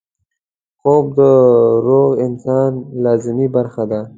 خوب د روغ انسان لازمي برخه ده